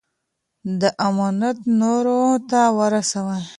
دا امانت نورو ته ورسوئ.